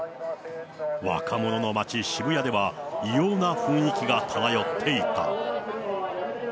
若者の街、渋谷では、異様な雰囲気が漂っていた。